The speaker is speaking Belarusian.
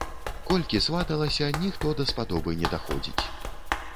Колькі сваталася, ніхто даспадобы не даходзіць.